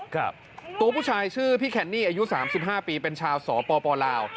ตัวผู้ชายชื่อพี่แคนนี่อายุ๓๕ปีเป็นชาวสปลาว